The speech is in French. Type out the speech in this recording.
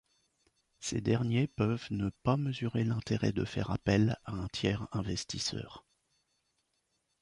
Ces derniers peuvent ne pas mesurer l'intérêt de faire appel à un tiers investisseur.